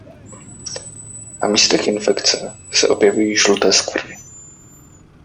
Na místech infekce se objevují světle žluté skvrny.